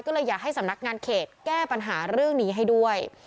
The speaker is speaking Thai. ก็เลยอยากให้สำนักงานเขตแก้ปัญหาเรื่องนี้ให้ด้วย